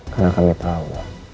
karena kami tahu